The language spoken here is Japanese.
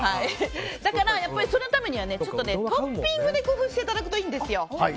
だから、そのためにはトッピングで工夫していただくといいんですよ。